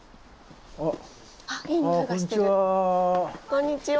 こんにちは。